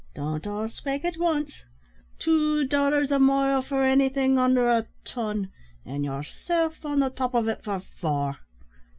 "Don't all spake at wance. Tshoo dollars a mile for anythin' onder a ton, an' yerself on the top of it for four!